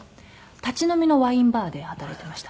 立ち飲みのワインバーで働いてました。